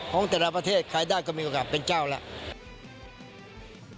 ของแต่ละประเทศใครได้ก็มีโอกาสเป็นเจ้าแล้ว